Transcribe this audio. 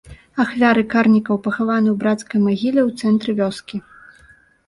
Ахвяры карнікаў пахаваны ў брацкай магіле ў цэнтры вёскі.